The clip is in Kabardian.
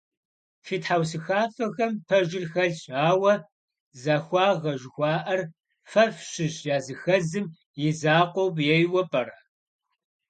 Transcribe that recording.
Фи тхьэусыхафэхэм пэжыр хэлъщ, ауэ захуагъэ жыхуаӀэр фэ фщыщ языхэзым и закъуэу ейуэ пӀэрэ?